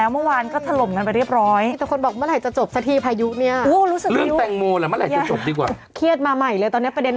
มาใหม่เลยตอนนี้ประเด็นใหม่เกิดขึ้นแล้ว